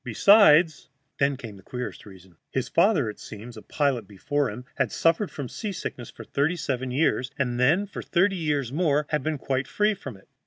Besides " Then came the queerest reason. His father, it seems, a pilot before him, had suffered from seasickness for thirty seven years, and then for thirty years more had been quite free from it.